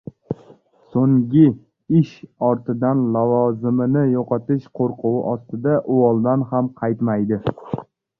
Soʻng gi ishi ortidan lavozimini yoʻqotish qoʻrquvi ostida uvoldan ham qaytmaydi.